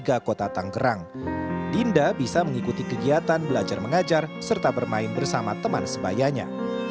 di kota tanggerang dinda bisa mengikuti kegiatan belajar mengajar serta bermain bersama teman sebayanya